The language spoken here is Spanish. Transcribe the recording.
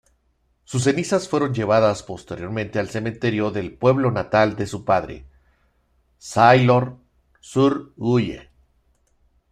Sus cenizas fueron llevadas posteriormente al cementerio del pueblo natal de su padre, Salornay-sur-Guye.